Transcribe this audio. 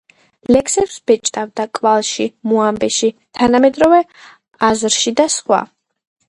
ლექსებს ბეჭდავდა „კვალში“, „მოამბეში“, „თანამედროვე აზრში“ და სხვა.